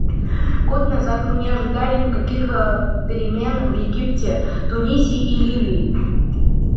Год назад мы не ожидали никаких перемен в Египте, Тунисе и Ливии.